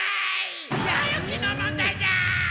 やる気の問題じゃ！